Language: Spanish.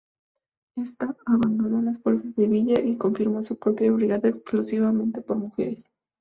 Ésta abandonó las fuerzas de Villa y conformó su propia brigada exclusivamente por mujeres.